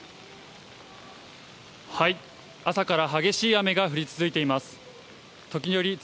はい、朝から激しい雨が降り続いています。